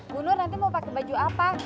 bu nur nanti mau pakai baju apa